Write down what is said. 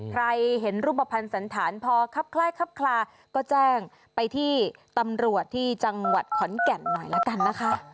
ใครเห็นรูปภัณฑ์สันธารพอครับคล้ายครับคลาก็แจ้งไปที่ตำรวจที่จังหวัดขอนแก่นหน่อยละกันนะคะ